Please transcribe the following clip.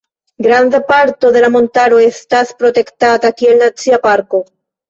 Granda parto de la montaro estas protektata kiel Nacia Parko.